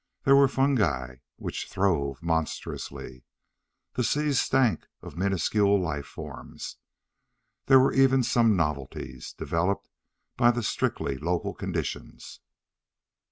There were fungi which throve monstrously. The seas stank of minuscule life forms. There were even some novelties, developed by the strictly local conditions.